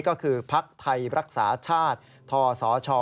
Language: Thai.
ก็คือภักดิ์ไทยรักษาชาติทศช